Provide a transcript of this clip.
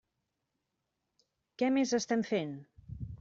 Què més estem fent?